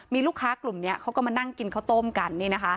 มีลูกค้ากลุ่มนี้เขาก็มานั่งกินข้าวต้มกัน